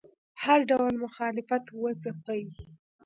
هر ډول مخالفت وځپي